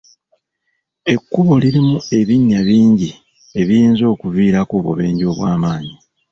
Enkubo lirimu ebinya bingi ebiyinza okuviirako obubenje obw'amaanyi.